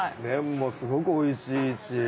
麺もすごくおいしいし。